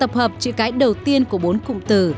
tập hợp chữ cái đầu tiên của bốn cụm từ